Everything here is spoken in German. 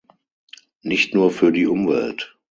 Nicht nur für die Umwelt.